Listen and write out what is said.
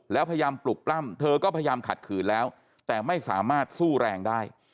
แล้วพยายามปลุกปล้ำเธอก็พยายามขัดขืนแล้วแต่ไม่สามารถสู้แรงได้